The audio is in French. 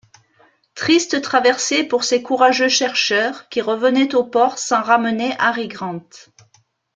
Triste traversée pour ces courageux chercheurs qui revenaient au port sans ramener Harry Grant!